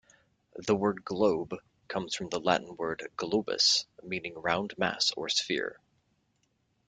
The word "globe" comes from the Latin word "globus", meaning round mass or sphere.